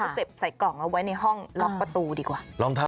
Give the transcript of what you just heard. เก็บใส่กล่องเอาไว้ในห้องล็อกประตูดีกว่า